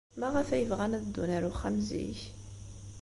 Maɣef ay bɣan ad ddun ɣer uxxam zik?